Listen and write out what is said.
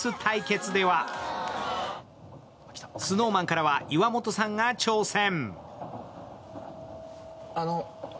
ＳｎｏｗＭａｎからは岩本さんが挑戦。